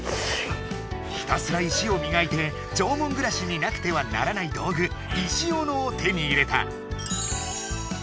ひたすら石をみがいて縄文暮らしになくてはならない道具石オノを手に入れた。